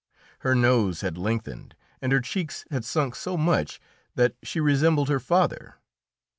Her nose had lengthened, and her cheeks had sunk so much that she resembled her father.